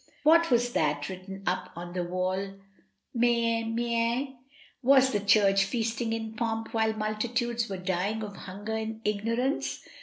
What was that written up on the wall, Mene^ mene? Was the church feasting in pomp while multitudes were dying of hunger and ignor ance?